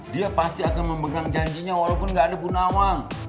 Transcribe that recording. dia pasti akan memegang janjinya walaupun gak ada bunawang